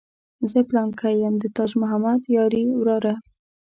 زه پلانکی یم د تاج محمد یاري وراره.